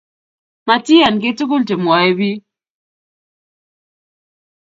Matiyaan kiiy tugul chemwoee biik